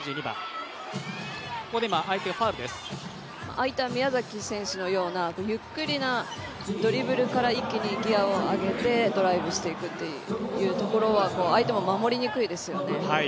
相手は宮崎選手のようなゆっくりなドリブルから一気にギアを上げてドライブしていくというところは相手も守りにくいですよね。